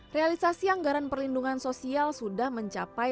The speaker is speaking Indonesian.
realisasi anggaran perlindungan sosial sudah mencapai